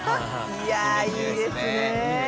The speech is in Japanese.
いやいいですねぇ。